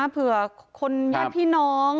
เผื่อคนญาติพี่น้อง